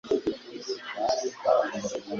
n’igihe bishakiye. Igihe hatabayeho gukoresha